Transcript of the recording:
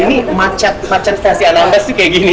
ini macet stasiun anangkes itu kayak gini